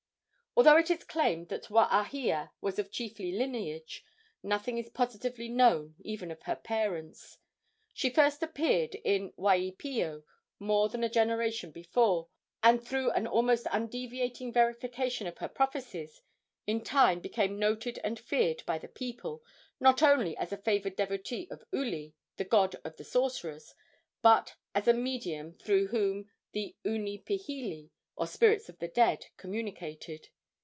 Although it is claimed that Waahia was of chiefly lineage, nothing is positively known, even of her parents. She first appeared in Waipio more than a generation before, and, through an almost undeviating verification of her prophecies, in time became noted and feared by the people, not only as a favored devotee of Uli, the god of the sorcerers, but as a medium through whom the unipihili, or spirits of the dead, communicated.